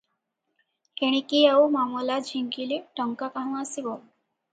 ଏଣିକି ଆଉ ମାମଲା ଝିଙ୍କିଲେ ଟଙ୍କା କାହୁଁ ଆସିବ?